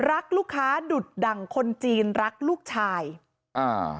รักลูกค้าดุดดั่งคนจีนรักลูกชายอ่า